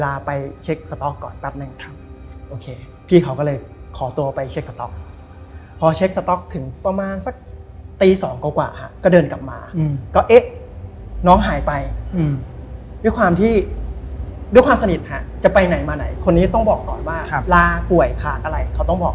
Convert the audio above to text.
อะผมก็อะผมไม่มีอะไรหรอก